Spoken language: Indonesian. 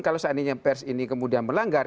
kalau seandainya pers ini kemudian melanggar